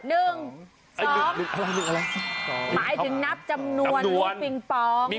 หมายถึงนับจำนวนลูกปิงปอง